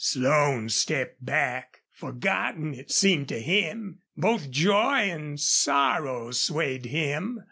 Slone stepped back, forgotten, it seemed to him. Both joy and sorrow swayed him.